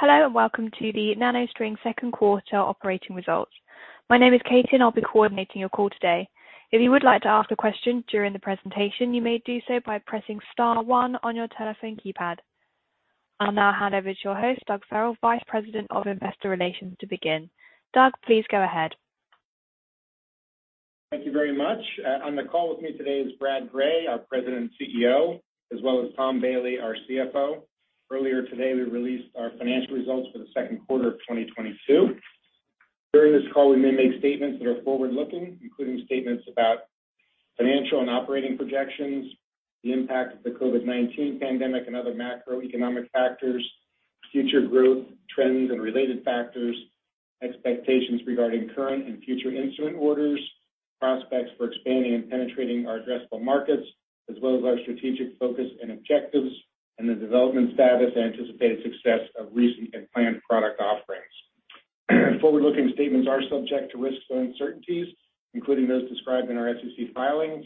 Hello, and welcome to the NanoString Second Quarter Operating Results. My name is Katie, and I'll be coordinating your call today. If you would like to ask a question during the presentation, you may do so by pressing star one on your telephone keypad. I'll now hand over to your host, Doug Farrell, Vice President of Investor Relations to begin. Doug, please go ahead. Thank you very much. On the call with me today is Brad Gray, our President and CEO, as well as Tom Bailey, our CFO. Earlier today, we released our financial results for the second quarter of 2022. During this call, we may make statements that are forward-looking, including statements about financial and operating projections, the impact of the COVID-19 pandemic and other macroeconomic factors, future growth, trends and related factors, expectations regarding current and future instrument orders, prospects for expanding and penetrating our addressable markets, as well as our strategic focus and objectives and the development status and anticipated success of recent and planned product offerings. Forward-looking statements are subject to risks and uncertainties, including those described in our SEC filings.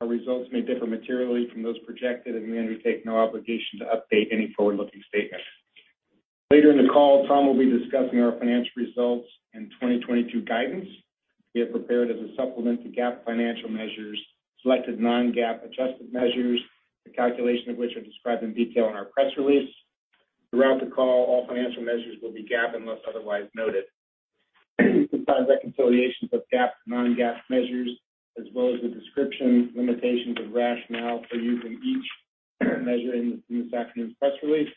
Our results may differ materially from those projected, and we undertake no obligation to update any forward-looking statements. Later in the call, Tom will be discussing our financial results and 2022 guidance. We have prepared as a supplement to GAAP financial measures, selected non-GAAP adjusted measures, the calculation of which are described in detail in our press release. Throughout the call, all financial measures will be GAAP unless otherwise noted. You can find reconciliations of GAAP to non-GAAP measures as well as the description, limitations and rationale for using each measure in this afternoon's press release.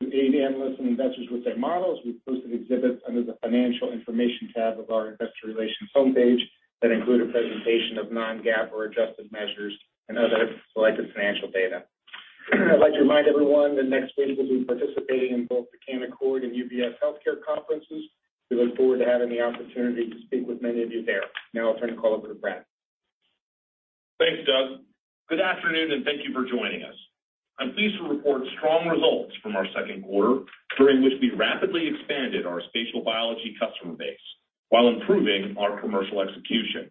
To aid analysts and investors with their models, we've posted exhibits under the Financial Information tab of our investor relations homepage that include a presentation of non-GAAP or adjusted measures and other selected financial data. I'd like to remind everyone that next week we'll be participating in both the Canaccord Genuity and UBS Healthcare conferences. We look forward to having the opportunity to speak with many of you there. Now I'll turn the call over to Brad. Thanks, Doug. Good afternoon, and thank you for joining us. I'm pleased to report strong results from our second quarter, during which we rapidly expanded our spatial biology customer base while improving our commercial execution.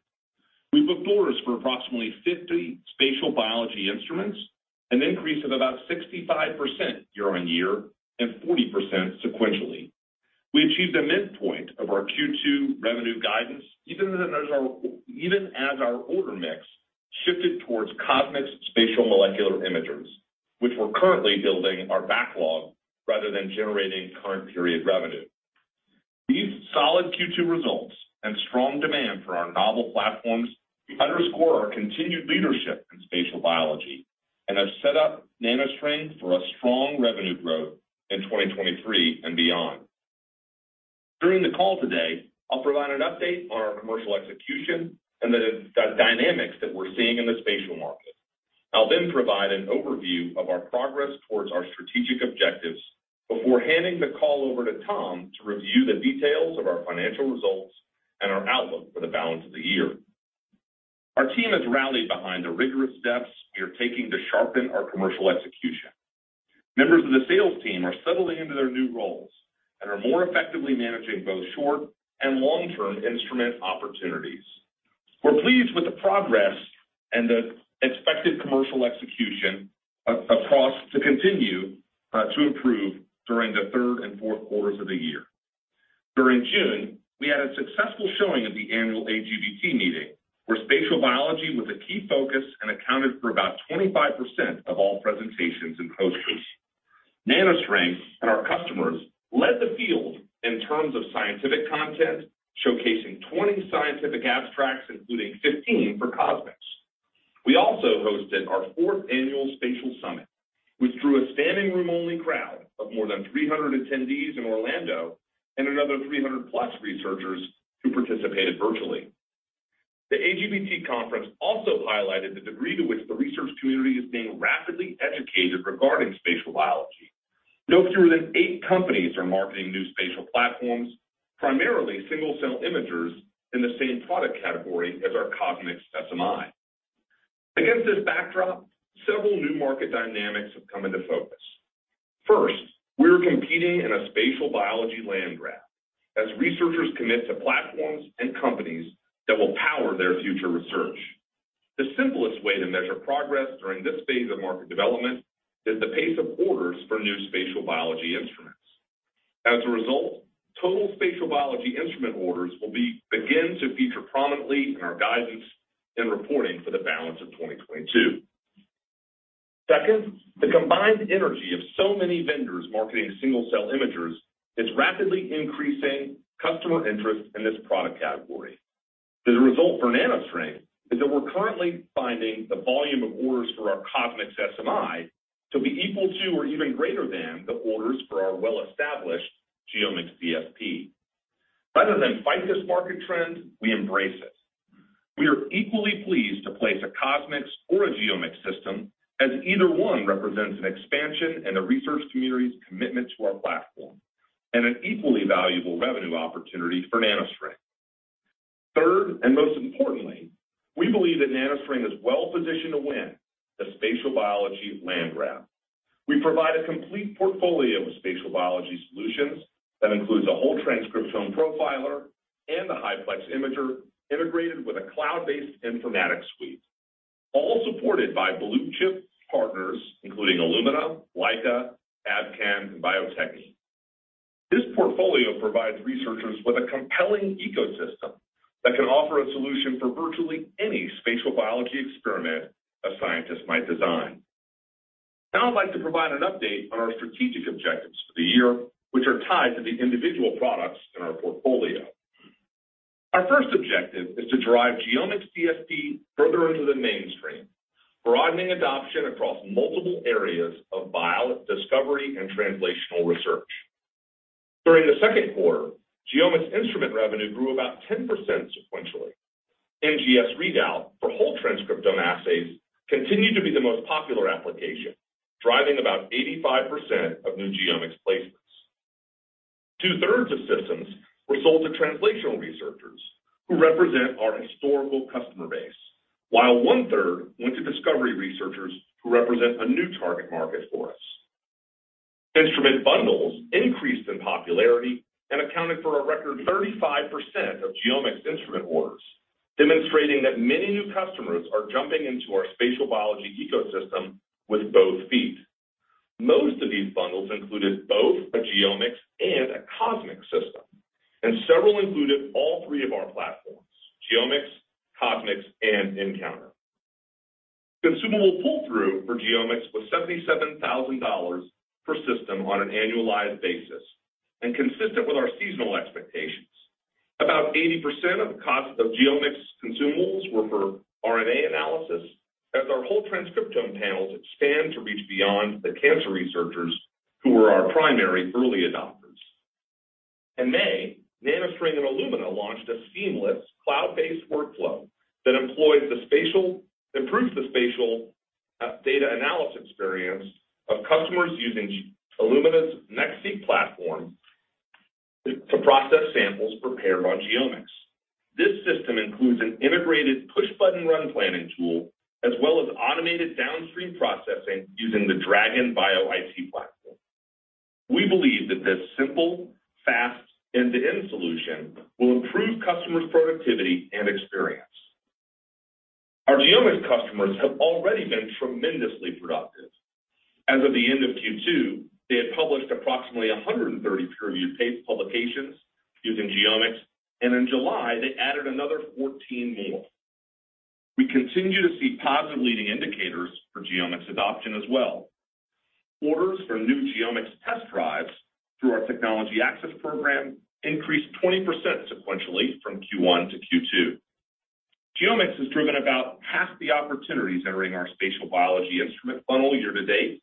We booked orders for approximately 50 spatial biology instruments, an increase of about 65% year-on-year and 40% sequentially. We achieved the midpoint of our Q2 revenue guidance, even as our order mix shifted towards CosMx Spatial Molecular Imagers, which we're currently building our backlog rather than generating current period revenue. These solid Q2 results and strong demand for our novel platforms underscore our continued leadership in spatial biology and have set up NanoString for a strong revenue growth in 2023 and beyond. During the call today, I'll provide an update on our commercial execution and the dynamics that we're seeing in the spatial market. I'll then provide an overview of our progress towards our strategic objectives before handing the call over to Tom to review the details of our financial results and our outlook for the balance of the year. Our team has rallied behind the rigorous steps we are taking to sharpen our commercial execution. Members of the sales team are settling into their new roles and are more effectively managing both short and long-term instrument opportunities. We're pleased with the progress and the expected commercial execution across to continue to improve during the third and fourth quarters of the year. During June, we had a successful showing at the annual AGBT meeting, where spatial biology was a key focus and accounted for about 25% of all presentations and posters. NanoString and our customers led the field in terms of scientific content, showcasing 20 scientific abstracts, including 15 for CosMx. We also hosted our fourth annual Spatial Summit, which drew a standing room only crowd of more than 300 attendees in Orlando and another 300+ researchers who participated virtually. The AGBT conference also highlighted the degree to which the research community is being rapidly educated regarding spatial biology. No fewer than eight companies are marketing new spatial platforms, primarily single-cell imagers in the same product category as our CosMx SMI. Against this backdrop, several new market dynamics have come into focus. First, we are competing in a spatial biology land grab as researchers commit to platforms and companies that will power their future research. The simplest way to measure progress during this phase of market development is the pace of orders for new spatial biology instruments. As a result, total spatial biology instrument orders will begin to feature prominently in our guidance and reporting for the balance of 2022. Second, the combined energy of so many vendors marketing single-cell imagers is rapidly increasing customer interest in this product category. The result for NanoString is that we're currently finding the volume of orders for our CosMx SMI to be equal to or even greater than the orders for our well-established GeoMx DSP. Rather than fight this market trend, we embrace it. We are equally pleased to place a CosMx or a GeoMx system as either one represents an expansion in the research community's commitment to our platform and an equally valuable revenue opportunity for NanoString. Third, and most importantly, we believe that NanoString is well-positioned to win the spatial biology land grab. We provide a complete portfolio of spatial biology solutions that includes a whole transcriptome profiler and a high-plex imager integrated with a cloud-based informatics suite. All supported by blue-chip partners, including Illumina, Leica, Abcam, and Bio-Techne. This portfolio provides researchers with a compelling ecosystem that can offer a solution for virtually any spatial biology experiment a scientist might design. Now, I'd like to provide an update on our strategic objectives for the year, which are tied to the individual products in our portfolio. Our first objective is to drive GeoMx DSP further into the mainstream, broadening adoption across multiple areas of bio discovery and translational research. During the second quarter, GeoMx instrument revenue grew about 10% sequentially. NGS readout for whole transcriptome assays continued to be the most popular application, driving about 85% of new GeoMx placements. Two-thirds of systems were sold to translational researchers who represent our historical customer base, while one-third went to discovery researchers who represent a new target market for us. Instrument bundles increased in popularity and accounted for a record 35% of GeoMx instrument orders, demonstrating that many new customers are jumping into our spatial biology ecosystem with both feet. Most of these bundles included both a GeoMx and a CosMx system, and several included all three of our platforms, GeoMx, CosMx, and nCounter. Consumable pull-through for GeoMx was $77,000 per system on an annualized basis and consistent with our seasonal expectations. About 80% of the cost of GeoMx consumables were for RNA analysis as our whole transcriptome panels expand to reach beyond the cancer researchers who are our primary early adopters. In May, NanoString and Illumina launched a seamless cloud-based workflow that improves the spatial data analysis experience of customers using Illumina's NextSeq platform to process samples prepared on GeoMx. This system includes an integrated push-button run planning tool, as well as automated downstream processing using the DRAGEN Bio-IT platform. We believe that this simple, fast, end-to-end solution will improve customers' productivity and experience. Our GeoMx customers have already been tremendously productive. As of the end of Q2, they had published approximately 130 peer-reviewed publications using GeoMx, and in July, they added another 14 more. We continue to see positive leading indicators for GeoMx adoption as well. Orders for new GeoMx test drives through our Technology Access Program increased 20% sequentially from Q1Q2. GeoMx has driven about half the opportunities entering our spatial biology instrument funnel year to date.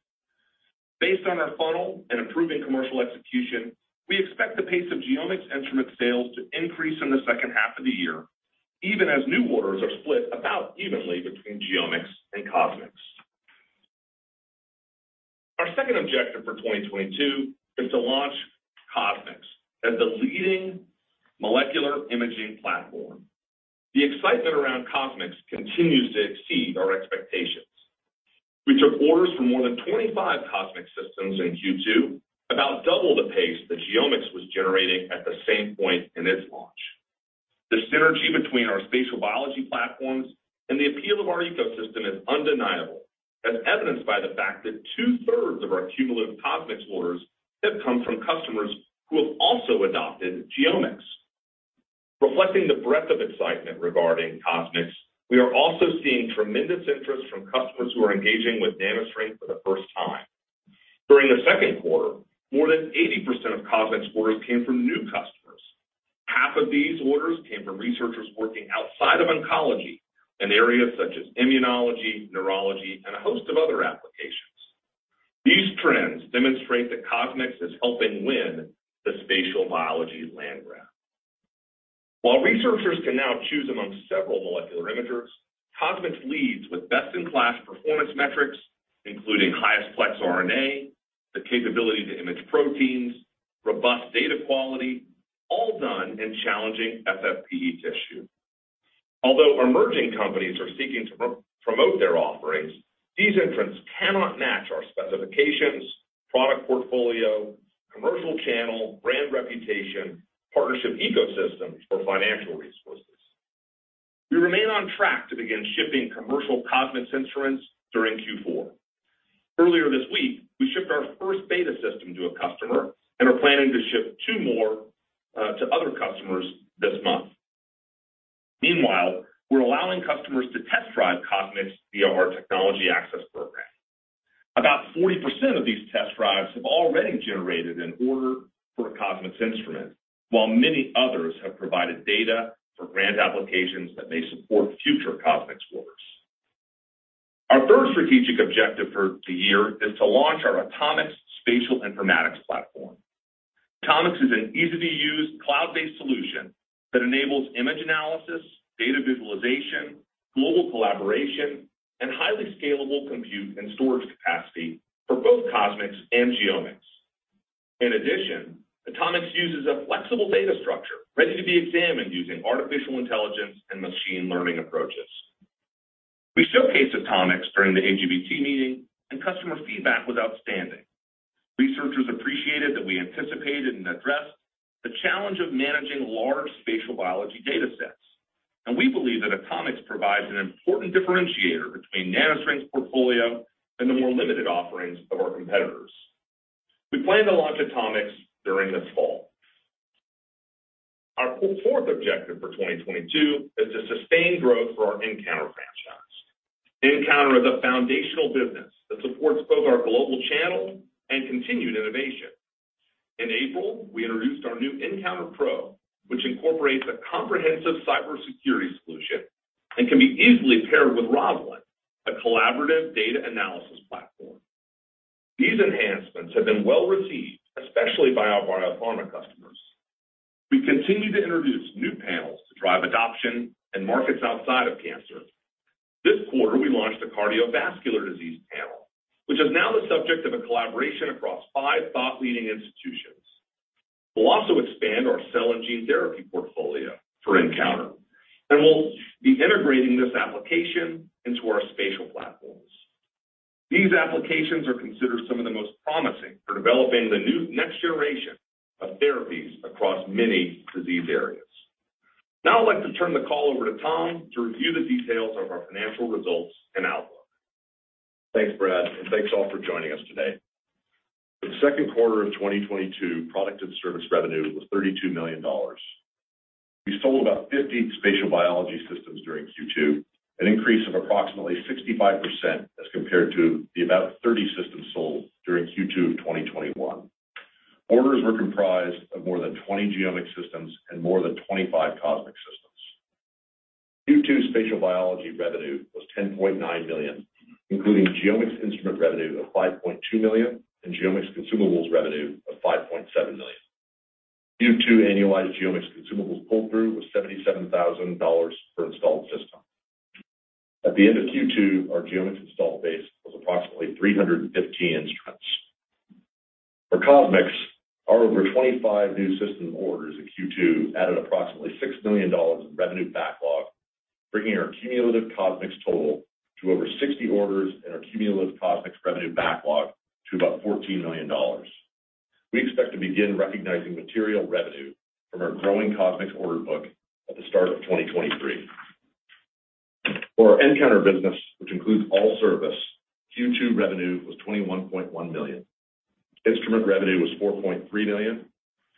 Based on our funnel and improving commercial execution, we expect the pace of GeoMx instrument sales to increase in the second half of the year, even as new orders are split about evenly between GeoMx and CosMx. Our second objective for 2022 is to launch CosMx as the leading molecular imaging platform. The excitement around CosMx continues to exceed our expectations. We took orders for more than 25 CosMx systems in Q2, about double the pace that GeoMx was generating at the same point in its launch. The synergy between our spatial biology platforms and the appeal of our ecosystem is undeniable, as evidenced by the fact that two-thirds of our cumulative CosMx orders have come from customers who have also adopted GeoMx. Reflecting the breadth of excitement regarding CosMx, we are also seeing tremendous interest from customers who are engaging with NanoString for the first time. During the second quarter, more than 80% of CosMx orders came from new customers. Half of these orders came from researchers working outside of oncology in areas such as immunology, neurology, and a host of other applications. These trends demonstrate that CosMx is helping win the spatial biology land grab. While researchers can now choose among several molecular imagers, CosMx leads with best-in-class performance metrics, including highest plex RNA, the capability to image proteins, robust data quality, all done in challenging FFPE tissue. Although emerging companies are seeking to promote their offerings, these entrants cannot match our specifications, product portfolio, commercial channel, brand reputation, partnership ecosystem or financial resources. We remain on track to begin shipping commercial CosMx instruments during Q4. Earlier this week, we shipped our first beta system to a customer and are planning to ship two more to other customers this month. Meanwhile, we're allowing customers to test drive CosMx via our Technology Access Program. About 40% of these test drives have already generated an order for a CosMx instrument, while many others have provided data for grant applications that may support future CosMx orders. Our third strategic objective for the year is to launch our AtoMx Spatial Informatics Platform. AtoMx is an easy-to-use cloud-based solution that enables image analysis, data visualization, global collaboration, and highly scalable compute and storage capacity for both CosMx and GeoMx. In addition, AtoMx uses a flexible data structure ready to be examined using artificial intelligence and machine learning approaches. We showcased AtoMx during the AGBT meeting, and customer feedback was outstanding. Researchers appreciated that we anticipated and addressed the challenge of managing large spatial biology data sets, and we believe that AtoMx provides an important differentiator between NanoString's portfolio and the more limited offerings of our competitors. We plan to launch AtoMx during this fall. Our fourth objective for 2022 is to sustain growth for our nCounter franchise. nCounter is a foundational business that supports both our global channel and continued innovation. In April, we introduced our new nCounter Pro, which incorporates a comprehensive cybersecurity solution and can be easily paired with ROSALIND, a collaborative data analysis platform. These enhancements have been well received, especially by our biopharma customers. We continue to introduce new panels to drive adoption in markets outside of cancer. This quarter, we launched a cardiovascular disease panel, which is now the subject of a collaboration across five thought leading institutions. We'll also expand our cell and gene therapy portfolio for nCounter, and we'll be integrating this application into our spatial platforms. These applications are considered some of the most promising for developing the new next generation of therapies across many disease areas. Now I'd like to turn the call over to Tom to review the details of our financial results and outlook. Thanks, Brad, and thanks, all for joining us today. For the second quarter of 2022, product and service revenue was $32 million. We sold about 50 spatial biology systems during Q2, an increase of approximately 65% as compared to the about 30 systems sold during Q2 of 2021. Orders were comprised of more than 20 GeoMx systems and more than 25 CosMx systems. Q2 spatial biology revenue was $10.9 million, including GeoMx instrument revenue of $5.2 million and GeoMx consumables revenue of $5.7 million. Q2 annualized GeoMx consumables pull-through was $77,000 per installed system. At the end of Q2, our GeoMx installed base was approximately 315 instruments. For CosMx, our over 25 new system orders in Q2 added approximately $6 million in revenue backlog, bringing our cumulative CosMx total to over 60 orders and our cumulative CosMx revenue backlog to about $14 million. We expect to begin recognizing material revenue from our growing CosMx order book at the start of 2023. For our nCounter business, which includes all service, Q2 revenue was $21.1 million. Instrument revenue was $4.3 million,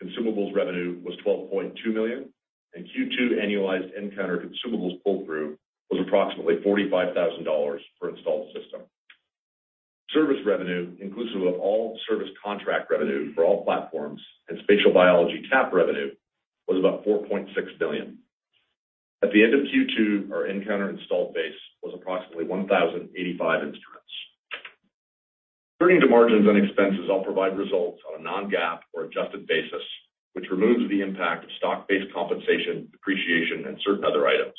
consumables revenue was $12.2 million, and Q2 annualized nCounter consumables pull-through was approximately $45,000 per installed system. Service revenue, inclusive of all service contract revenue for all platforms and spatial biology TAP revenue, was about $4.6 million. At the end of Q2, our nCounter installed base was approximately 1,085 instruments. Turning to margins and expenses, I'll provide results on a non-GAAP or adjusted basis, which removes the impact of stock-based compensation, depreciation, and certain other items.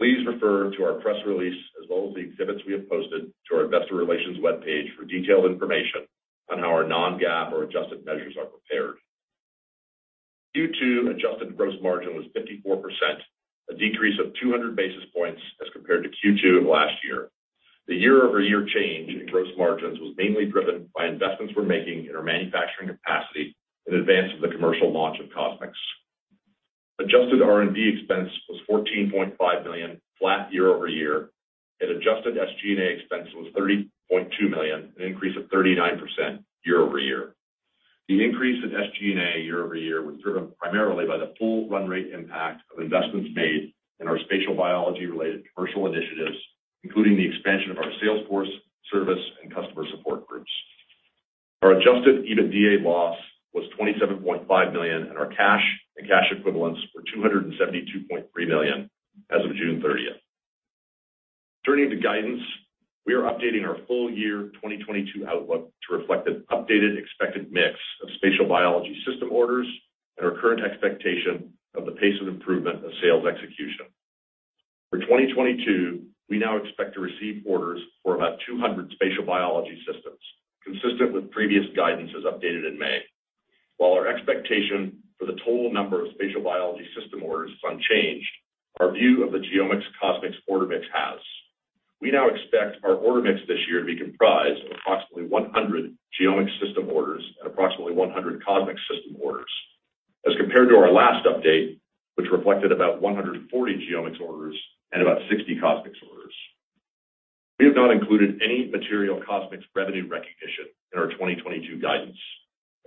Please refer to our press release as well as the exhibits we have posted to our investor relations webpage for detailed information on how our non-GAAP or adjusted measures are prepared. Q2 adjusted gross margin was 54%, a decrease of 200 basis points as compared to Q2 of last year. The year-over-year change in gross margins was mainly driven by investments we're making in our manufacturing capacity in advance of the commercial launch of CosMx. Adjusted R&D expense was $14.5 million, flat year-over-year, and adjusted SG&A expense was $30.2 million, an increase of 39% year-over-year. The increase in SG&A year-over-year was driven primarily by the full run rate impact of investments made in our spatial biology-related commercial initiatives, including the expansion of our sales force, service, and customer support groups. Our adjusted EBITDA loss was $27.5 million, and our cash and cash equivalents were $272.3 million as of June thirtieth. Turning to guidance, we are updating our full-year 2022 outlook to reflect an updated expected mix of spatial biology system orders and our current expectation of the pace of improvement of sales execution. For 2022, we now expect to receive orders for about two hundred spatial biology systems, consistent with previous guidance as updated in May. While our expectation for the total number of spatial biology system orders is unchanged, our view of the GeoMx, CosMx order mix has. We now expect our order mix this year to be comprised of approximately 100 GeoMx system orders and approximately 100 CosMx system orders, as compared to our last update, which reflected about 140 GeoMx orders and about 60 CosMx orders. We have not included any material CosMx revenue recognition in our 2022 guidance.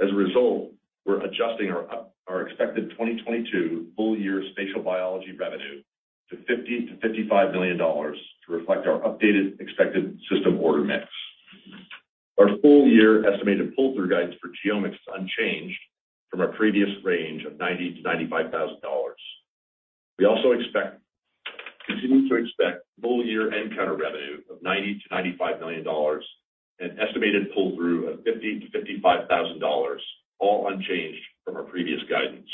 As a result, we're adjusting our expected 2022 full year spatial biology revenue to $50-$55 million to reflect our updated expected system order mix. Our full year estimated pull-through guidance for GeoMx is unchanged from our previous range of $90-$95 thousand. We also continue to expect full year nCounter revenue of $90-$95 million, an estimated pull-through of $50-$55 thousand, all unchanged from our previous guidance.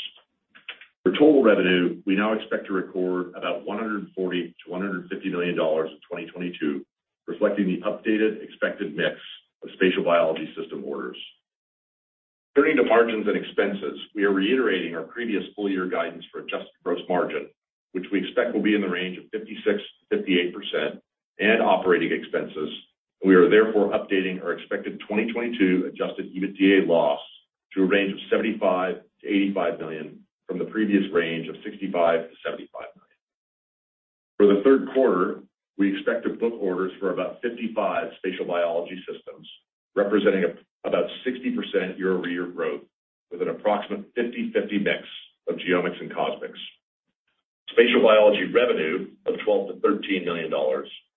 For total revenue, we now expect to record about $140 million-$150 million in 2022, reflecting the updated expected mix of spatial biology system orders. Turning to margins and expenses, we are reiterating our previous full-year guidance for adjusted gross margin, which we expect will be in the range of 56%-58% and operating expenses. We are therefore updating our expected 2022 adjusted EBITDA loss to a range of $75 million-$85 million from the previous range of $65 million-$75 million. For the third quarter, we expect to book orders for about 55 spatial biology systems, representing about 60% year-over-year growth with an approximate 50/50 mix of GeoMx and CosMx. Spatial biology revenue of $12 million-$13 million,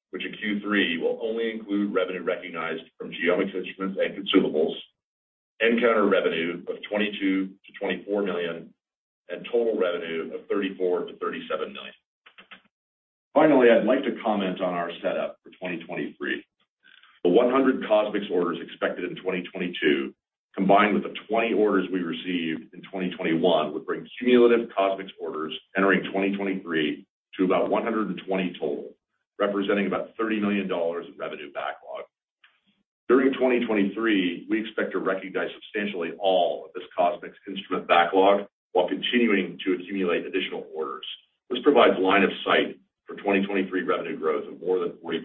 which in Q3 will only include revenue recognized from GeoMx instruments and consumables, nCounter revenue of $22 million-$24 million, and total revenue of $34 million-$37 million. I'd like to comment on our setup for 2023. The 100 CosMx orders expected in 2022, combined with the 20 orders we received in 2021, would bring cumulative CosMx orders entering 2023 to about 120 total, representing about $30 million in revenue backlog. During 2023, we expect to recognize substantially all of this CosMx instrument backlog while continuing to accumulate additional orders. This provides line of sight for 2023 revenue growth of more than 40%.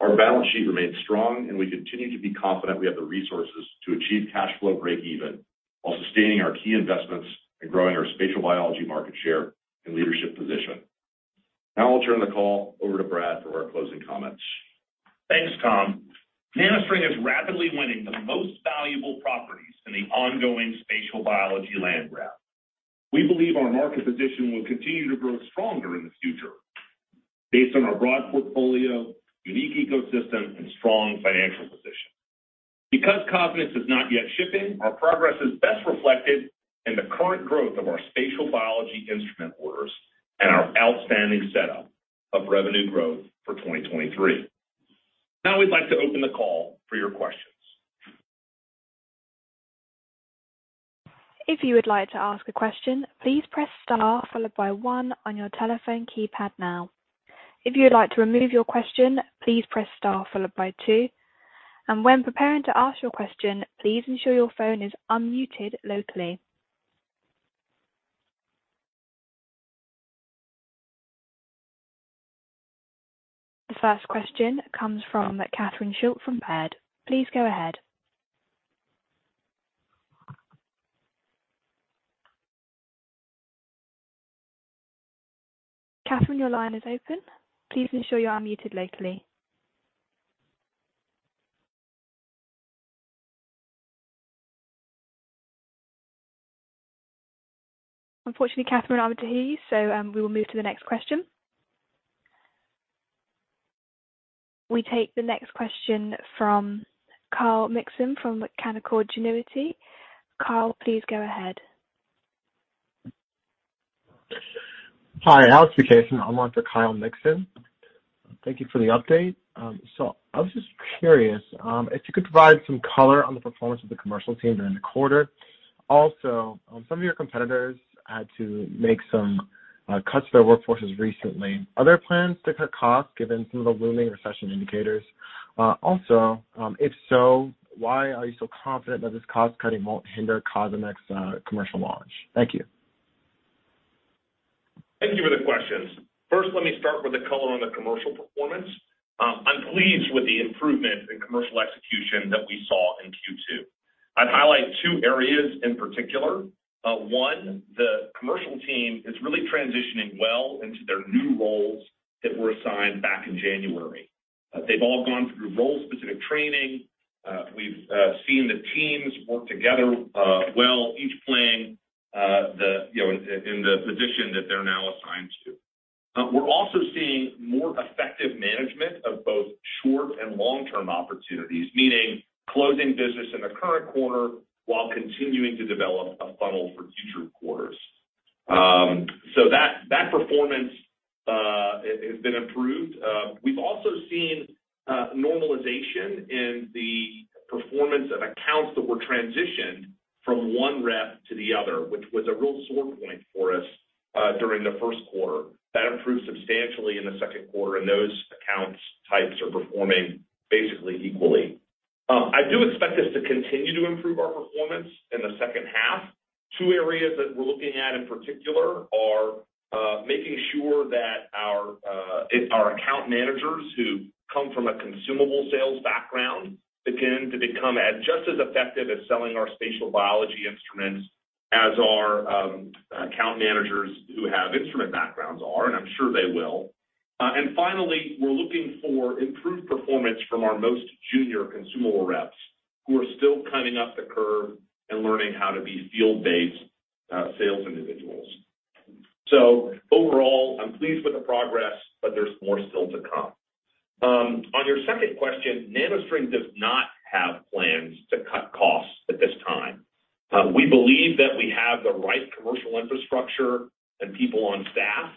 Our balance sheet remains strong and we continue to be confident we have the resources to achieve cash flow break even while sustaining our key investments and growing our spatial biology market share and leadership position. Now I'll turn the call over to Brad for our closing comments. Thanks, Tom. NanoString is rapidly winning the most valuable properties in the ongoing spatial biology land grab. We believe our market position will continue to grow stronger in the future based on our broad portfolio, unique ecosystem, and strong financial position. Because CosMx is not yet shipping, our progress is best reflected in the current growth of our spatial biology instrument orders and our outstanding setup of revenue growth for 2023. Now, we'd like to open the call for your questions. If you would like to ask a question, please press star followed by one on your telephone keypad now. If you would like to remove your question, please press star followed by two, and when preparing to ask your question, please ensure your phone is unmuted locally. The first question comes from Catherine Schulte from Baird. Please go ahead. Catherine, your line is open. Please ensure you are unmuted locally. Unfortunately, Catherine, I want to hear you, so we will move to the next question. We take the next question from Kyle Mikson from Canaccord Genuity. Kyle, please go ahead. Hi, Alex Baranski. I'm on for Kyle Mikson. Thank you for the update. I was just curious if you could provide some color on the performance of the commercial team during the quarter. Also, some of your competitors had to make some cuts to their workforces recently. Are there plans to cut costs given some of the looming recession indicators? Also, if so, why are you so confident that this cost-cutting won't hinder CosMx commercial launch? Thank you. Thank you for the questions. First, let me start with the color on the commercial performance. I'm pleased with the improvement in commercial execution that we saw in Q2. I'd highlight two areas in particular. One, the commercial team is really transitioning well into their new roles that were assigned back in January. They've all gone through role-specific training. We've seen the teams work together well, each playing the you know in the position that they're now assigned to. We're also seeing more effective management of both short and long-term opportunities, meaning closing business in the current quarter while continuing to develop a funnel for future quarters. That performance has been improved. We've also seen normalization in the performance of accounts that were transitioned from one rep to the other, which was a real sore point for us during the first quarter. That improved substantially in the second quarter, and those account types are performing basically equally. I do expect us to continue to improve our performance in the second half. Two areas that we're looking at in particular are making sure that our account managers who come from a consumable sales background begin to become just as effective at selling our spatial biology instruments as our account managers who have instrument backgrounds are, and I'm sure they will. Finally, we're looking for improved performance from our most junior consumable reps who are still coming up the curve and learning how to be field-based sales individuals. Overall, I'm pleased with the progress, but there's more still to come. On your second question, NanoString does not have plans to cut costs at this time. We believe that we have the right commercial infrastructure and people on staff.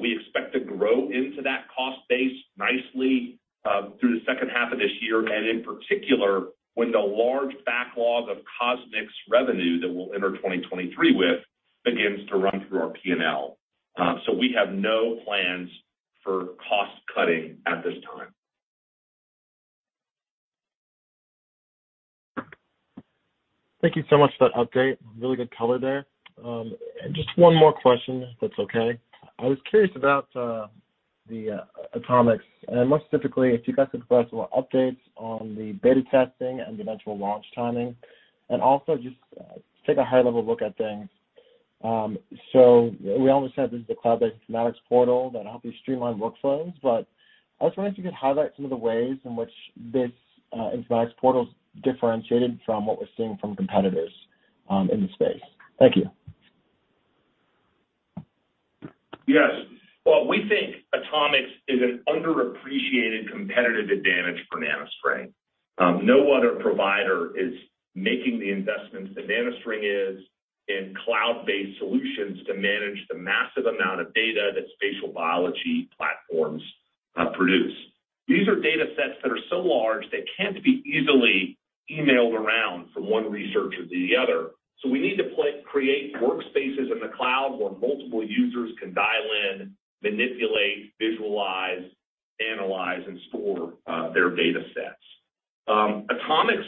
We expect to grow into that cost base nicely through the second half of this year, and in particular, when the large backlog of CosMx revenue that we'll enter 2023 with begins to run through our P&L. We have no plans for cost-cutting at this time. Thank you so much for that update. Really good color there. Just one more question, if that's okay. I was curious about the AtoMx, and most typically, if you guys could provide us more updates on the beta testing and eventual launch timing, and also just take a high-level look at things. We always said this is a cloud-based informatics portal that helps you streamline workflows, but I was wondering if you could highlight some of the ways in which this informatics portal is differentiated from what we're seeing from competitors in the space. Thank you. Yes. Well, we think AtoMx is an underappreciated competitive advantage for NanoString. No other provider is making the investments that NanoString is in cloud-based solutions to manage the massive amount of data that spatial biology platforms produce. These are data sets that are so large, they can't be easily emailed around from one researcher to the other. We need to create workspaces in the cloud where multiple users can dial in, manipulate, visualize, analyze, and store their data sets. AtoMx,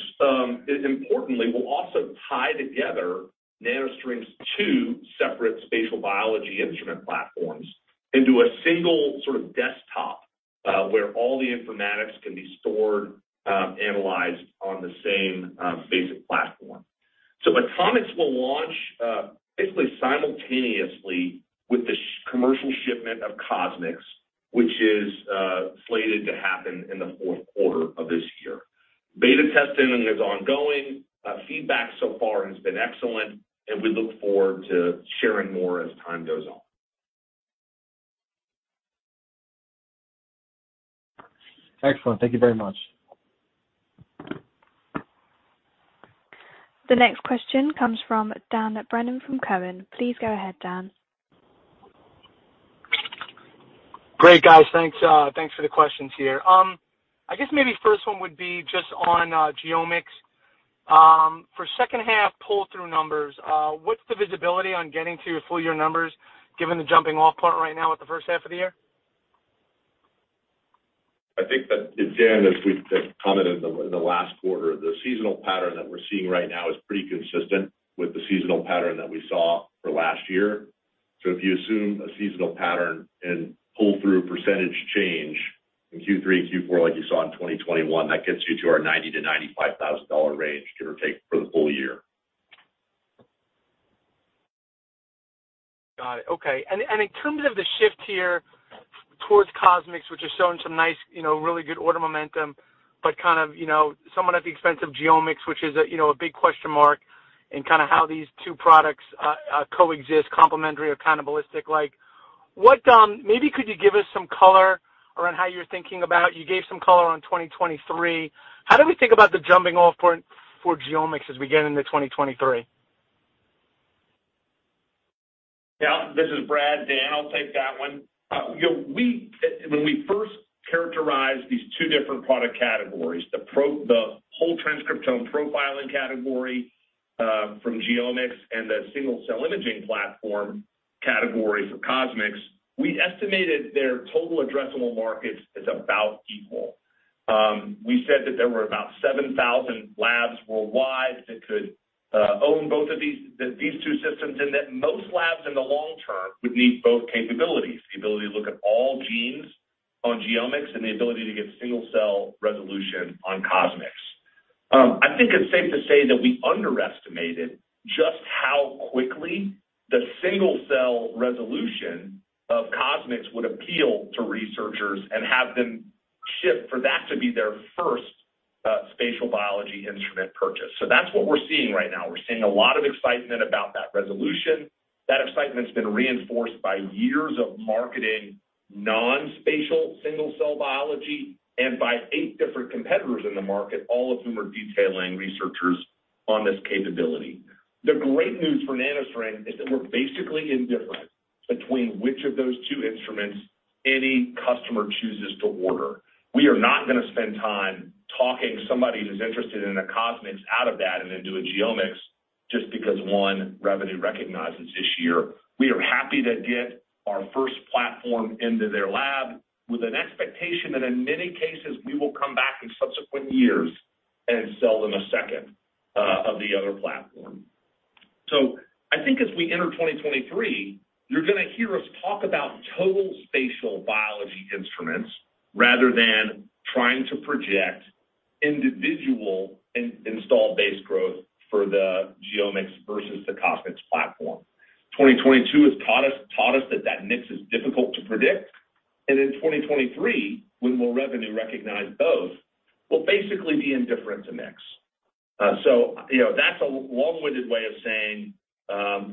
importantly, will also tie together NanoString's two separate spatial biology instrument platforms into a single sort of desktop where all the informatics can be stored, analyzed on the same basic platform. AtoMx will launch basically simultaneously with the commercial shipment of CosMx, which is slated to happen in the fourth quarter of this year. Beta testing is ongoing, feedback so far has been excellent, and we look forward to sharing more as time goes on. Excellent. Thank you very much. The next question comes from Dan Brennan from Cowen. Please go ahead, Dan. Great, guys. Thanks for the questions here. I guess maybe first one would be just on GeoMx. For second half pull-through numbers, what's the visibility on getting to your full year numbers, given the jumping off point right now with the first half of the year? I think that, Dan, as we've, like, commented in the last quarter, the seasonal pattern that we're seeing right now is pretty consistent with the seasonal pattern that we saw for last year. If you assume a seasonal pattern and pull through percentage change in Q3 and Q4, like you saw in 2021, that gets you to our $90-$95 thousand range, give or take, for the full year. Got it. Okay. In terms of the shift here towards CosMx, which is showing some nice, you know, really good order momentum, but kind of, you know, somewhat at the expense of GeoMx, which is a, you know, big question mark in kind of how these two products coexist, complementary or cannibalistic like. What maybe could you give us some color around how you're thinking about. You gave some color on 2023. How do we think about the jumping off point for GeoMx as we get into 2023? Yeah, this is Brad. Dan, I'll take that one. You know, we, when we first characterized these two different product categories, the whole transcriptome profiling category from GeoMx, and the single-cell imaging platform category for CosMx, we estimated their total addressable markets as about equal. We said that there were about 7,000 labs worldwide that could own both of these two systems, and that most labs in the long term would need both capabilities, the ability to look at all genes on GeoMx and the ability to get single cell resolution on CosMx. I think it's safe to say that we underestimated just how quickly the single cell resolution of CosMx would appeal to researchers and have them shift for that to be their first spatial biology instrument purchase. That's what we're seeing right now. We're seeing a lot of excitement about that resolution. That excitement's been reinforced by years of marketing non-spatial single cell biology and by eight different competitors in the market, all of whom are detailing researchers on this capability. The great news for NanoString is that we're basically indifferent between which of those two instruments any customer chooses to order. We are not going to spend time talking somebody who's interested in a CosMx out of that and into a GeoMx just because one revenue recognizes this year. We are happy to get our first platform into their lab with an expectation, and in many cases, we will come back in sub-sequent years and sell them a second, of the other platform. I think as we enter 2023, you're going to hear us talk about total spatial biology instruments rather than trying to project individual installed base growth for the GeoMx versus the CosMx platform. 2022 has taught us that the mix is difficult to predict. In 2023, we will revenue recognize both. We'll basically be indifferent to mix. So you know, that's a long-winded way of saying,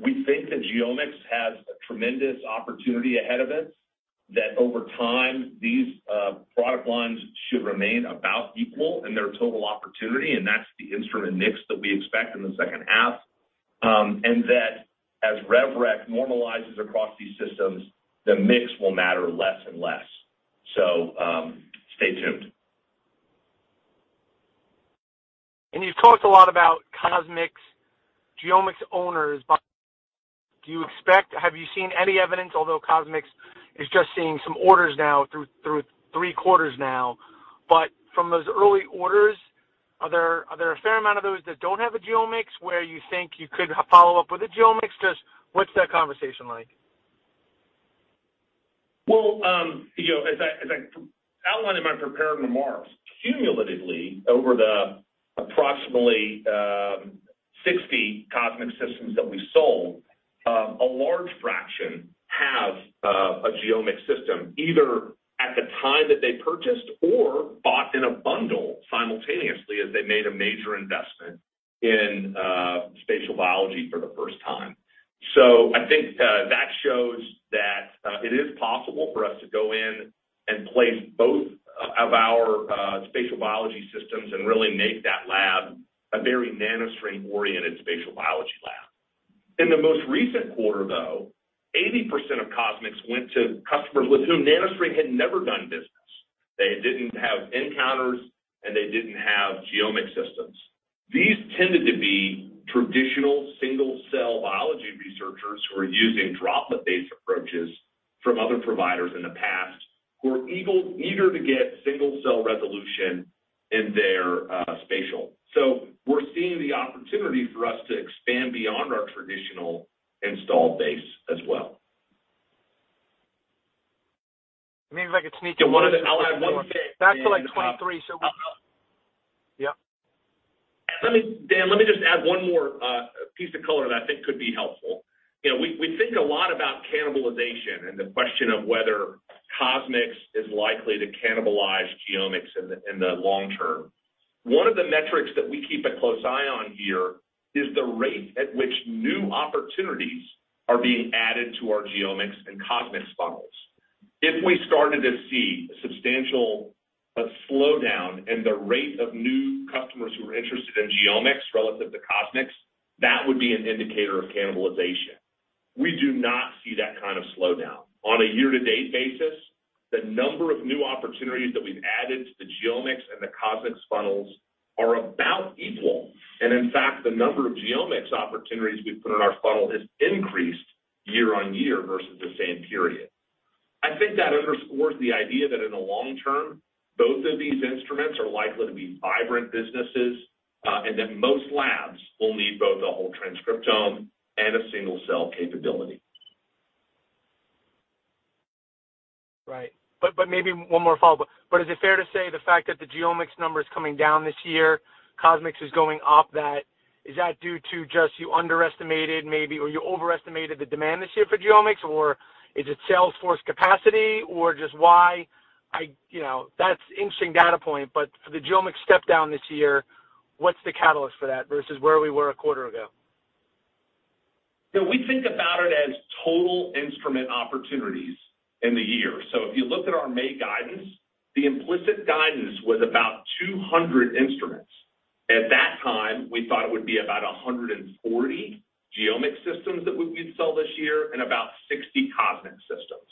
we think that GeoMx has a tremendous opportunity ahead of it, that over time, these product lines should remain about equal in their total opportunity, and that's the instrument mix that we expect in the second half. That as rev rec normalizes across these systems, the mix will matter less and less. Stay tuned. You've talked a lot about CosMx, GeoMx owners, but do you expect, have you seen any evidence, although CosMx is just seeing some orders now through three quarters now, but from those early orders, are there a fair amount of those that don't have a GeoMx where you think you could follow up with a GeoMx? Just what's that conversation like? Well, you know, as I outlined in my prepared remarks, cumulatively over the approximately 60 CosMx systems that we sold, a large fraction have a GeoMx system, either at the time that they purchased or bought in a bundle simultaneously as they made a major investment in spatial biology for the first time. I think that shows that it is possible for us to go in and place both of our spatial biology systems and really make that lab a very NanoString-oriented spatial biology lab. In the most recent quarter, though, 80% of CosMx went to customers with whom NanoString had never done business. They didn't have encounters, and they didn't have GeoMx systems. These tended to be traditional single-cell biology researchers who are using droplet-based approaches from other providers in the past, who are eager to get single-cell resolution in their spatial. We're seeing the opportunity for us to expand beyond our traditional installed base as well. Maybe if I could sneak in one. I'll add one thing. Back to like 2023, so. Yep. Dan, let me just add one more piece of color that I think could be helpful. You know, we think a lot about cannibalization and the question of whether CosMx is likely to cannibalize GeoMx in the long-term. One of the metrics that we keep a close eye on here is the rate at which new opportunities are being added to our GeoMx and CosMx funnels. If we started to see a substantial slowdown in the rate of new customers who are interested in GeoMx relative to CosMx, that would be an indicator of cannibalization. We do not see that kind of slowdown. On a year-to-date basis, the number of new opportunities that we've added to the GeoMx and the CosMx funnels are about equal. In fact, the number of GeoMx opportunities we've put in our funnel has increased year-on-year versus the same period. I think that underscores the idea that in the long-term, both of these instruments are likely to be vibrant businesses, and that most labs will need both a whole transcriptome and a single-cell capability. Right. Maybe one more follow-up. Is it fair to say the fact that the GeoMx number is coming down this year, CosMx is going up that, is that due to just you underestimated maybe or you overestimated the demand this year for GeoMx or is it sales force capacity or just why you know, that's interesting data point, but for the GeoMx step down this year, what's the catalyst for that versus where we were a quarter ago? You know, we think about it as total instrument opportunities in the year. If you looked at our May guidance, the implicit guidance was about 200 instruments. At that time, we thought it would be about 140 GeoMx systems that we'd sell this year and about 60 CosMx systems.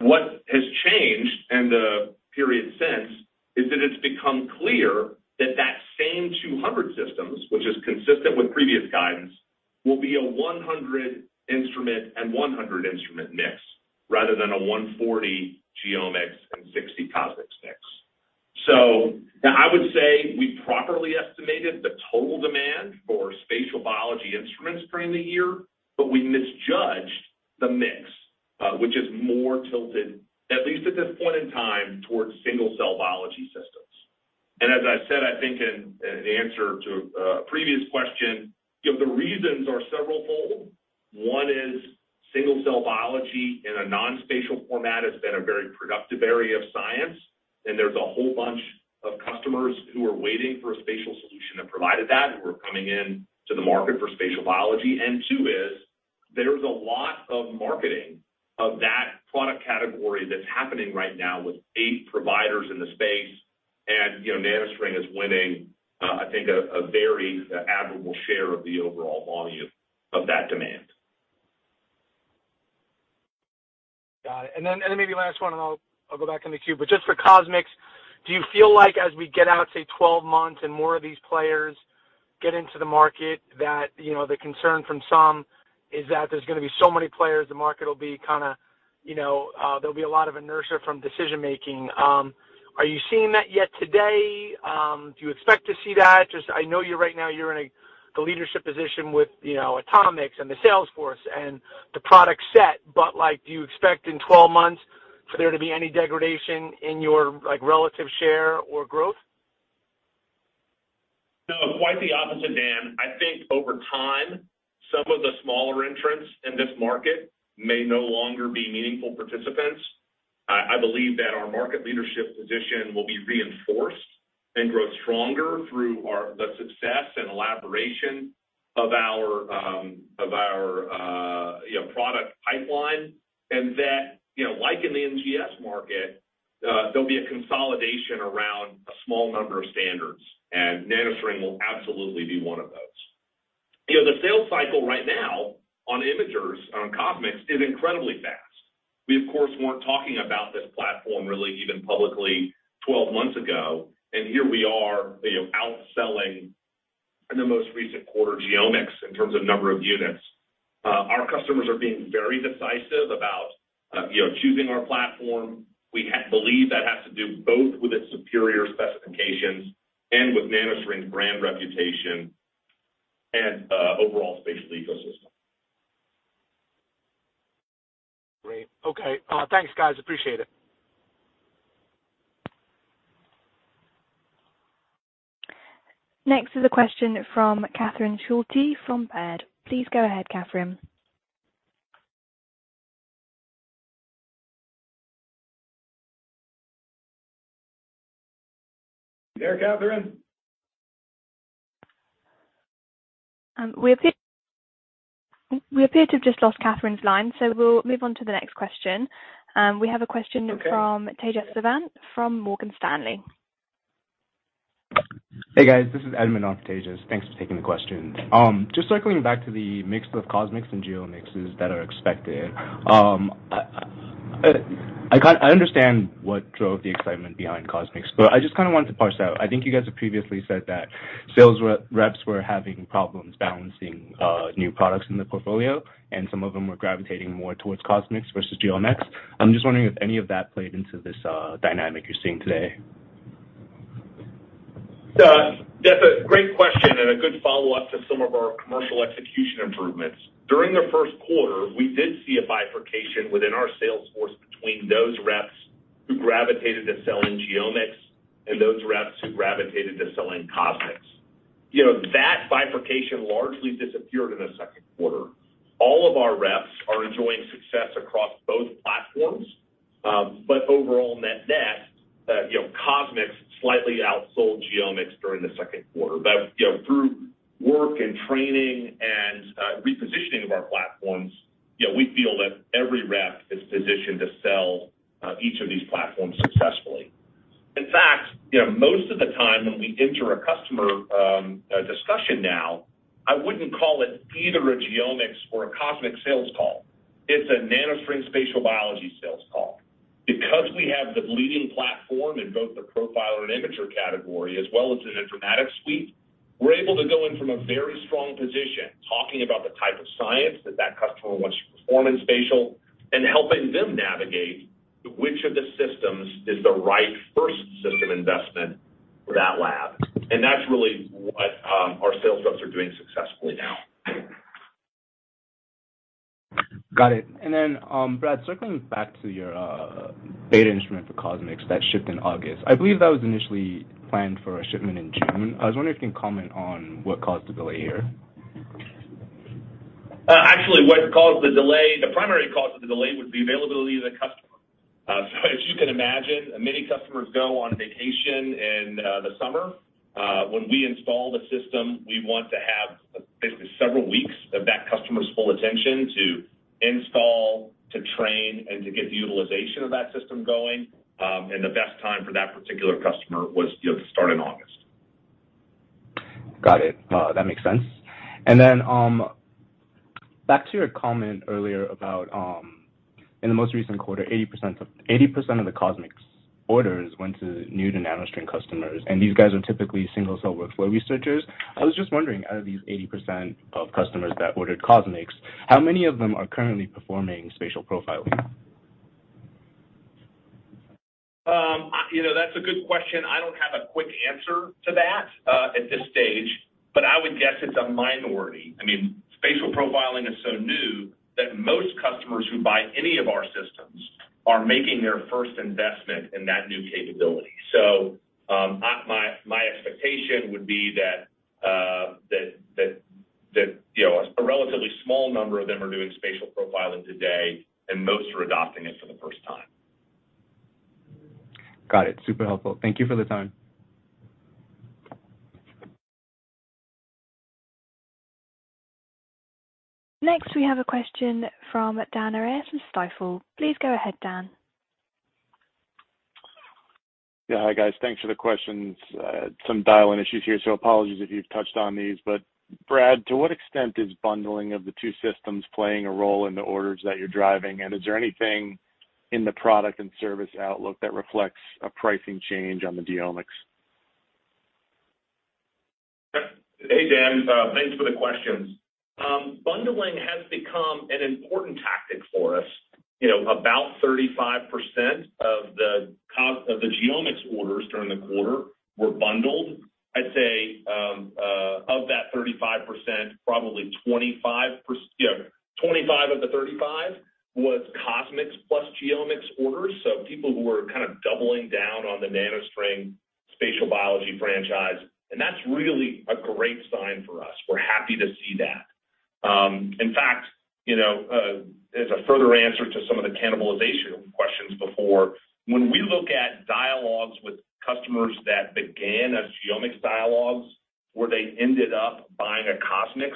What has changed in the period since is that it's become clear that that same 200 systems, which is consistent with previous guidance, will be a hundred instrument and hundred instrument mix rather than a 140 GeoMx and 60 CosMx mix. I would say we properly estimated the total demand for spatial biology instruments during the year, but we misjudged the mix, which is more tilted, at least at this point in time, towards single-cell biology systems. As I said, I think in answer to a previous question, you know, the reasons are several-fold. One is single-cell biology in a non-spatial format has been a very productive area of science, and there's a whole bunch of customers who are waiting for a spatial solution that provided that, who are coming in to the market for spatial biology. Two is there's a lot of marketing of that product category that's happening right now with eight providers in the space. You know, NanoString is winning, I think a very admirable share of the overall volume of that demand. Got it. Then maybe last one, and I'll go back in the queue. But just for CosMx, do you feel like as we get out, say, 12-months and more of these players get into the market that, you know, the concern from some is that there's gonna be so many players, the market will be kinda, you know, there'll be a lot of inertia from decision-making. Are you seeing that yet today? Do you expect to see that? Just, I know you're right now in a leadership position with, you know, AtoMx and the sales force and the product set, but, like, do you expect in 12-months for there to be any degradation in your, like, relative share or growth? No, quite the opposite, Dan. I think over time, some of the smaller entrants in this market may no longer be meaningful participants. I believe that our market leadership position will be reinforced and grow stronger through our success and elaboration of our product pipeline. That, you know, like in the NGS market, there'll be a consolidation around a small number of standards, and NanoString will absolutely be one of those. You know, the sales cycle right now on imagers, on CosMx, is incredibly fast. We of course weren't talking about this platform really even publicly 12-months ago, and here we are, you know, outselling in the most recent quarter GeoMx in terms of number of units. Our customers are being very decisive about, you know, choosing our platform. We believe that has to do both with its superior specifications and with NanoString's brand reputation and overall spatial ecosystem. Great. Okay. Thanks, guys. Appreciate it. Next is a question from Catherine Schulte from Baird. Please go ahead, Catherine. You there, Catherine? We appear to have just lost Catherine's line, so we'll move on to the next question. We have a question. Okay. from Tejas Savant from Morgan Stanley. Hey, guys. This is Edmond on Tejas. Thanks for taking the question. Just circling back to the mix of CosMx and GeoMx's that are expected. I kind of understand what drove the excitement behind CosMx, but I just kind of wanted to parse out. I think you guys have previously said that sales reps were having problems balancing new products in the portfolio, and some of them were gravitating more towards CosMx versus GeoMx. I'm just wondering if any of that played into this dynamic you're seeing today. Yeah. That's a great question and a good follow-up to some of our commercial execution improvements. During the first quarter, we did see a bifurcation within our sales force between those reps who gravitated to selling GeoMx and those reps who gravitated to selling CosMx. You know, that bifurcation largely disappeared in the second quarter. All of our reps are enjoying success across both platforms. But overall net-net, you know, CosMx slightly outsold GeoMx during the second quarter. You know, through work and training and repositioning of our platforms, you know, we feel that every rep is positioned to sell each of these platforms successfully. In fact, you know, most of the time when we enter a customer discussion now, I wouldn't call it either a GeoMx or a CosMx sales call. It's a NanoString spatial biology sales call. Because we have the leading platform in both the profiler and imager category, as well as an informatics suite, we're able to go in from a very strong position, talking about the type of science that that customer wants to perform in spatial and helping them navigate which of the systems is the right first system investment for that lab. That's really what our sales reps are doing successfully now. Got it. Brad, circling back to your beta instrument for CosMx that shipped in August, I believe that was initially planned for a shipment in June. I was wondering if you can comment on what caused the delay here. Actually, what caused the delay? The primary cause of the delay would be availability to the customer. As you can imagine, many customers go on vacation in the summer. When we install the system, we want to have basically several weeks of that customer's full attention to install, to train, and to get the utilization of that system going. The best time for that particular customer was, you know, the start in August. Got it. That makes sense. Back to your comment earlier about, in the most recent quarter, 80% of the CosMx orders went to new to NanoString customers, and these guys are typically single-cell workflow researchers. I was just wondering, out of these 80% of customers that ordered CosMx, how many of them are currently performing spatial profiling? You know, that's a good question. I don't have a quick answer to that, at this stage, but I would guess it's a minority. I mean, spatial profiling is so new that most customers who buy any of our systems are making their first investment in that new capability. My expectation would be that, you know, a relatively small number of them are doing spatial profiling today, and most are adopting it for the first time. Got it. Super helpful. Thank you for the time. Next, we have a question from Dan Arias from Stifel. Please go ahead, Dan. Yeah. Hi, guys. Thanks for the questions. Some dial-in issues here, so apologies if you've touched on these. Brad, to what extent is bundling of the two systems playing a role in the orders that you're driving? And is there anything in the product and service outlook that reflects a pricing change on the GeoMx? Yeah. Hey, Dan. Thanks for the questions. Bundling has become an important tactic for us. You know, about 35% of the GeoMx orders during the quarter were bundled. I'd say, of that 35%, probably 25% of the 35% was CosMx + GeoMx orders, so people who are kind of doubling down on the NanoString spatial biology franchise, and that's really a great sign for us. We're happy to see that. In fact, you know, as a further answer to some of the cannibalization questions before, when we look at dialogues with customers that began as GeoMx dialogues where they ended up buying a CosMx,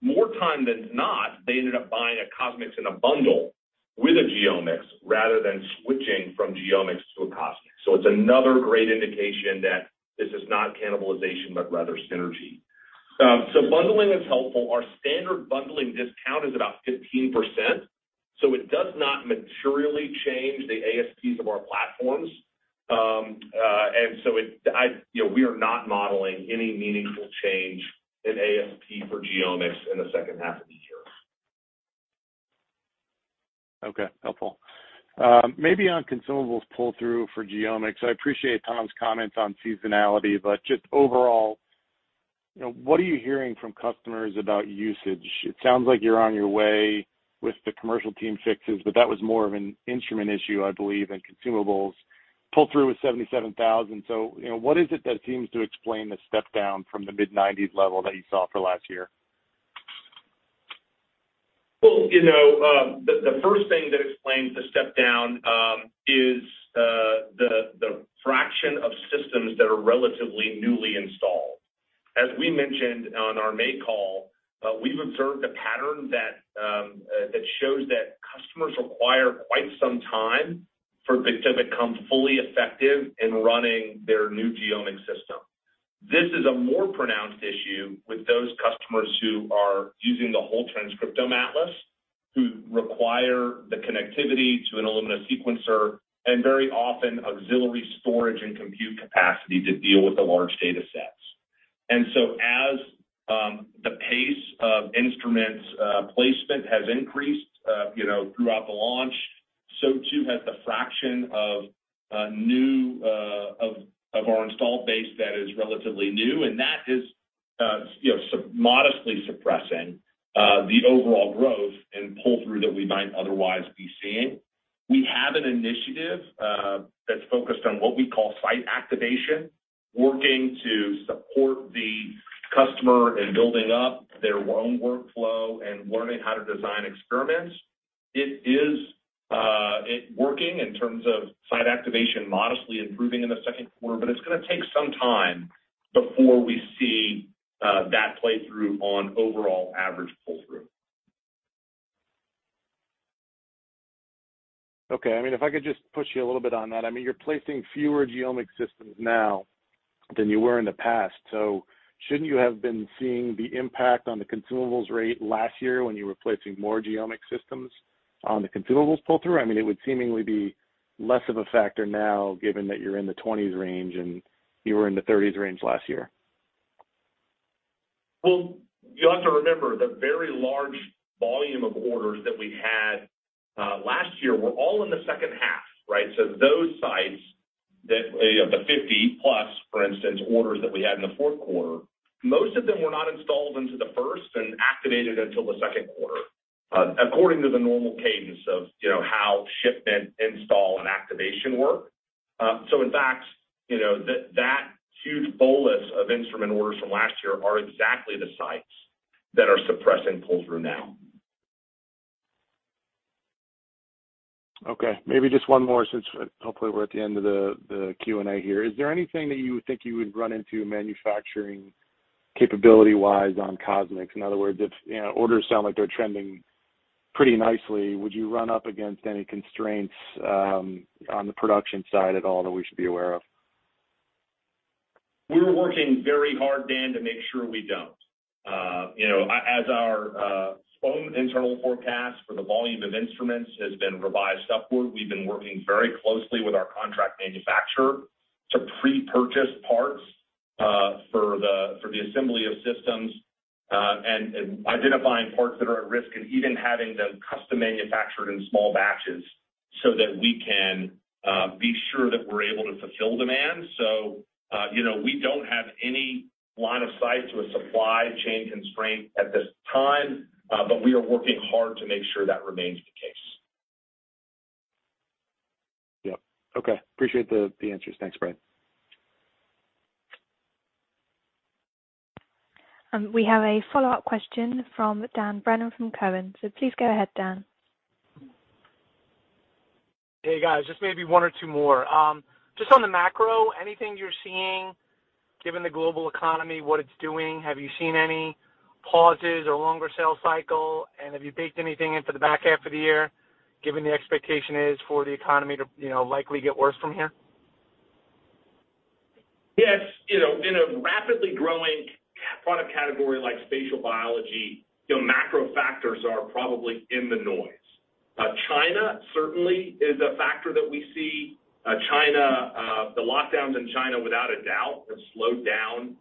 more time than not, they ended up buying a CosMx in a bundle with a GeoMx rather than switching from GeoMx to a CosMx. It's another great indication that this is not cannibalization, but rather synergy. Bundling is helpful. Our standard bundling discount is about 15%, so it does not materially change the ASPs of our platforms. You know, we are not modeling any meaningful change in ASP for GeoMx in the second half of the year. Okay. Helpful. Maybe on consumables pull-through for GeoMx. I appreciate Tom's comments on seasonality, but just overall, you know, what are you hearing from customers about usage? It sounds like you're on your way with the commercial team fixes, but that was more of an instrument issue, I believe, and consumables pull-through with $77,000. You know, what is it that seems to explain the step-down from the mid-90s level that you saw for last year? Well, you know, the first thing that explains the step-down is the fraction of systems that are relatively newly installed. As we mentioned on our May call, we've observed a pattern that shows that customers require quite some time to become fully effective in running their new genomic system. This is a more pronounced issue with those customers who are using the whole transcriptome atlas, who require the connectivity to an Illumina sequencer, and very often auxiliary storage and compute capacity to deal with the large data sets. As the pace of instruments placement has increased, you know, throughout the launch, so too has the fraction of our new installed base that is relatively new, and that is, you know, somewhat modestly suppressing the overall growth and pull-through that we might otherwise be seeing. We have an initiative that's focused on what we call site activation, working to support the customer in building up their own workflow and learning how to design experiments. It is working in terms of site activation modestly improving in the second quarter, but it's gonna take some time before we see that play out on overall average pull-through. Okay. I mean, if I could just push you a little bit on that. I mean, you're placing fewer GeoMx systems now than you were in the past. Shouldn't you have been seeing the impact on the consumables rate last year when you were placing more GeoMx systems on the consumables pull-through? I mean, it would seemingly be less of a factor now, given that you're in the twenties range, and you were in the 30s range last year. Well, you have to remember, the very large volume of orders that we had last year were all in the second half, right? Those sites of the 50+, for instance, orders that we had in the fourth quarter, most of them were not installed in the first quarter and activated until the second quarter according to the normal cadence of, you know, how shipment, install, and activation work. In fact, you know, that huge bolus of instrument orders from last year are exactly the sites that are suppressing pull-through now. Okay, maybe just one more since hopefully we're at the end of the Q&A here. Is there anything that you would think you would run into manufacturing capability-wise on CosMx? In other words, if you know, orders sound like they're trending pretty nicely, would you run up against any constraints on the production side at all that we should be aware of? We're working very hard, Dan, to make sure we don't. You know, as our own internal forecast for the volume of instruments has been revised upward, we've been working very closely with our contract manufacturer to pre-purchase parts for the assembly of systems, and identifying parts that are at risk and even having them custom manufactured in small batches so that we can be sure that we're able to fulfill demand. You know, we don't have any line of sight to a supply chain constraint at this time, but we are working hard to make sure that remains the case. Yep. Okay. Appreciate the answers. Thanks, Brad. We have a follow-up question from Dan Brennan from Cowen. Please go ahead, Dan. Hey, guys, just maybe one or two more. Just on the macro, anything you're seeing, given the global economy, what it's doing, have you seen any pauses or longer sales cycle? Have you baked anything into the back half of the year, given the expectation is for the economy to, you know, likely get worse from here? Yes. You know, in a rapidly growing product category like spatial biology, you know, macro factors are probably in the noise. China certainly is a factor that we see. China, the lockdowns in China, without a doubt, have slowed down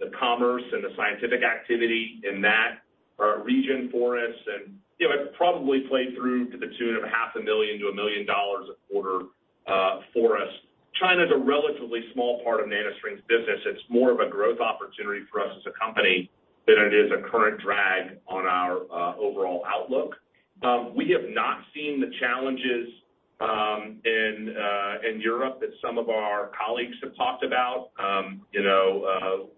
the commerce and the scientific activity in that region for us. You know, it probably played through to the tune of half a million to $1 million a quarter for us. China is a relatively small part of NanoString's business. It's more of a growth opportunity for us as a company than it is a current drag on our overall outlook. We have not seen the challenges in Europe that some of our colleagues have talked about. You know,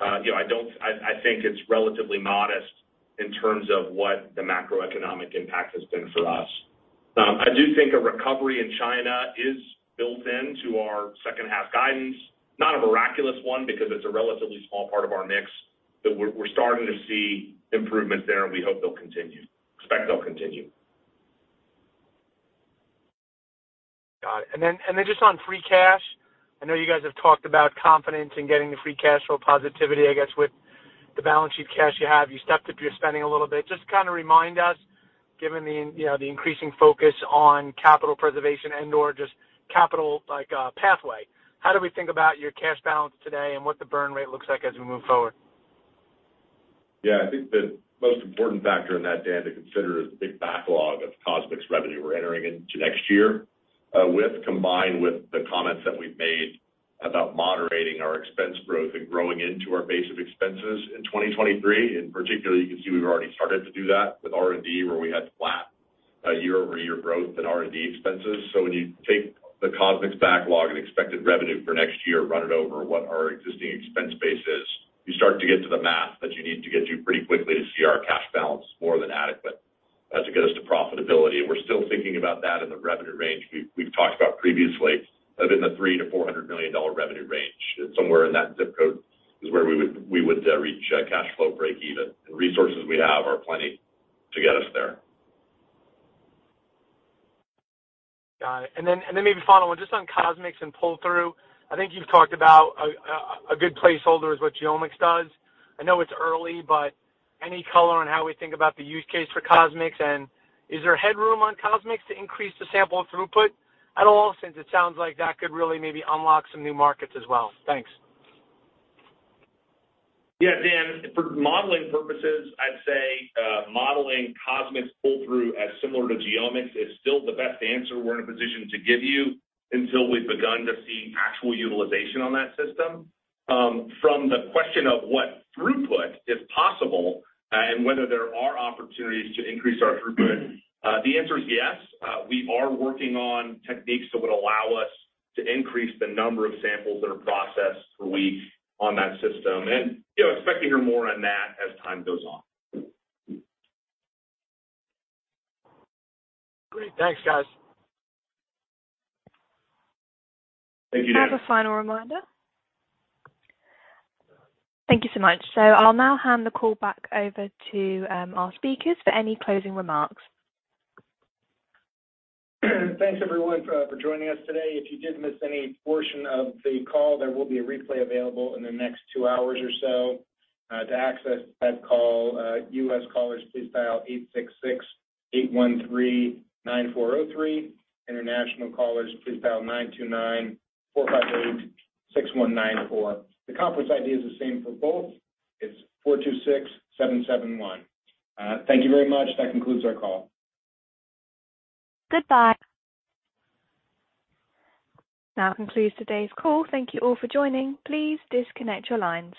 I think it's relatively modest in terms of what the macroeconomic impact has been for us. I do think a recovery in China is built into our second half guidance, not a miraculous one because it's a relatively small part of our mix, but we're starting to see improvements there and we hope they'll continue. Expect they'll continue. Got it. Just on free cash. I know you guys have talked about confidence in getting the free cash flow positivity, I guess, with the balance sheet cash you have. You stepped up your spending a little bit. Just kinda remind us, given the, you know, the increasing focus on capital preservation and/or just capital like, pathway, how do we think about your cash balance today and what the burn rate looks like as we move forward? Yeah. I think the most important factor in that, Dan, to consider is the big backlog of CosMx revenue we're entering into next year, combined with the comments that we've made about moderating our expense growth and growing into our base of expenses in 2023. Particularly, you can see we've already started to do that with R&D, where we had flat year-over-year growth in R&D expenses. When you take the CosMx backlog and expected revenue for next year, run it over what our existing expense base is, you start to get to the math that you need to get to pretty quickly to see our cash balance more than adequate as it get us to profitability. We're still thinking about that in the revenue range we've talked about previously of $300-$400 million revenue range. Somewhere in that ZIP code is where we would reach cash flow break-even. The resources we have are plenty to get us there. Got it. Maybe final one, just on CosMx and pull-through. I think you've talked about a good placeholder is what GeoMx does. I know it's early, but any color on how we think about the use case for CosMx? Is there headroom on CosMx to increase the sample throughput at all, since it sounds like that could really maybe unlock some new markets as well? Thanks. Yeah, Dan. For modeling purposes, I'd say modeling CosMx pull-through as similar to GeoMx is still the best answer we're in a position to give you until we've begun to see actual utilization on that system. From the question of what throughput is possible, and whether there are opportunities to increase our throughput, the answer is yes. We are working on techniques that would allow us to increase the number of samples that are processed per week on that system. You know, expect to hear more on that as time goes on. Great. Thanks, guys. Thank you, Dan. I have a final reminder. Thank you so much. I'll now hand the call back over to our speakers for any closing remarks. Thanks everyone for joining us today. If you did miss any portion of the call, there will be a replay available in the next two hours or so. To access that call, U.S. callers, please dial 866-813-9403. International callers, please dial 929-458-6194. The conference ID is the same for both. It's 426771. Thank you very much. That concludes our call. Goodbye. That concludes today's call. Thank you all for joining. Please disconnect your lines.